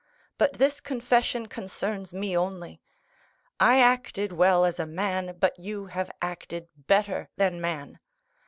But this confession concerns me only. I acted well as a man, but you have acted better than man.